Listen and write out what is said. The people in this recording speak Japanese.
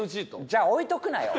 じゃあ置いとくなよ。